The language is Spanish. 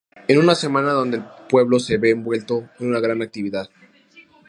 Es una semana donde el pueblo se ve envuelto en una gran actividad.